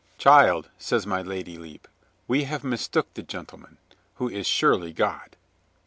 "Child," says my Lady Lepe, "we have mistook the gentleman, who is surely God."